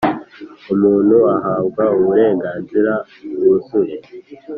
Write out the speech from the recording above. umuntu ahabwa uburenganzira bwuzuye